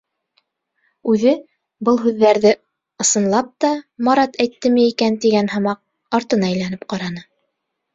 Үҙе, был һүҙҙәрҙе, ысынлап та, Марат әйттеме икән тигән һымаҡ, артына әйләнеп ҡараны.